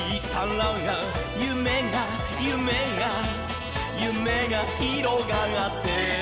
「ゆめがゆめがゆめがひろがって」